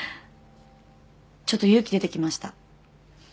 ちょっと勇気出てきました。